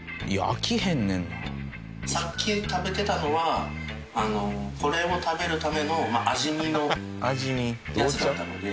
さっき食べてたのはこれを食べるための味見のやつだったので。